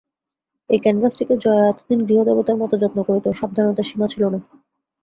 এই ক্যানভাসটিকে জয়া এতদিন গৃহদেবতার মতো যত্ন করিত, সাবধানতার সীমা ছিল না।